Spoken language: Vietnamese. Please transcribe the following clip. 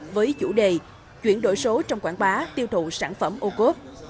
với chủ đề chuyển đổi số trong quảng bá tiêu thụ sản phẩm ô cốt